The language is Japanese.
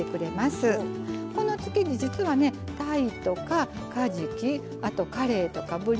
この漬け地実はねたいとかかじきあとかれいとかぶり